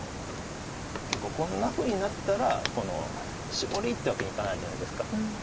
こんなふうになったらシボリってわけにいかないじゃないですか。